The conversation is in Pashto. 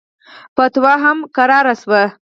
فتوا هم کراره سوه.